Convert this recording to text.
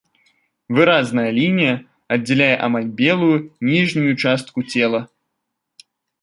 Выразная лінія аддзяляе амаль белую ніжнюю частку цела.